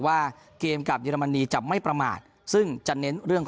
ว่าเกมกับเยอรมนีจะไม่ประมาทซึ่งจะเน้นเรื่องของ